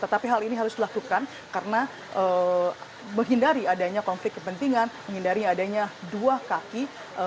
tetapi hal ini harus dilakukan karena menghindari adanya konflik kepentingan menghindari adanya dua kaki